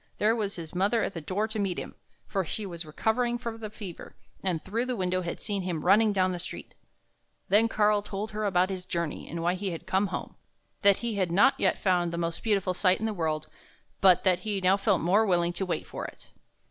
there was his mother at the door to meet him; for she was recovering from the fever, and through the window had seen him running down the street. Then Karl told her about his journey, and why he had come home; that he had not yet found the most beautiful sight in the world, but that he now felt more willing to wait for it.